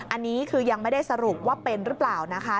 อันนี้คือยังไม่ได้สรุปว่าเป็นหรือเปล่านะคะ